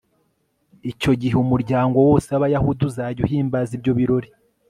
icyo gihe umuryango wose w'abayahudi uzajya uhimbaza ibyo birori